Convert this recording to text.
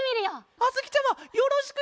あづきちゃまよろしくケロ！